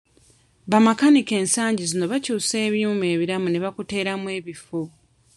Bamakanika b'ensangi zino bakyusa ebyuma ebiramu ne bakuteeramu ebifu.